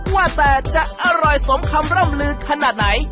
ว่าแต่จะอร่อยสมคำร่ำลือขนาดไหน